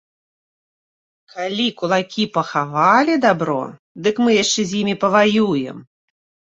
Калі кулакі пахавалі дабро, дык мы яшчэ з імі паваюем!